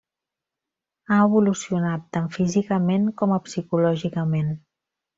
Ha evolucionat, tant físicament com a psicològicament.